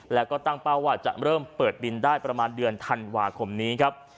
แล้วก็ตั้งเป้าว่าจะเริ่มเปิดบินได้ประมาณเดือนธันวาคมนี้ครับ